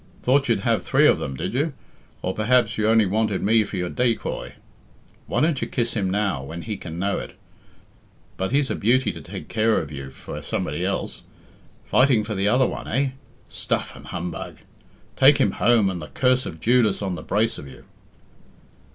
Thought you'd have three of them, did you? Or perhaps you only wanted me for your decoy? Why don't you kiss him now, when he can know it? But he's a beauty to take care of you for somebody else. Fighting for the other one, eh? Stuff and humbug! Take him home, and the curse of Judas on the brace of you."